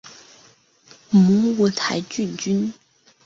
母五台郡君。